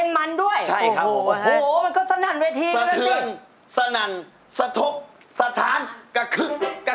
มันคือครับเลยครับ